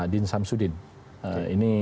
din samsudin ini